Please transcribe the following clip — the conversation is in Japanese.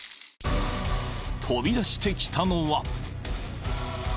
［飛び出してきたのは］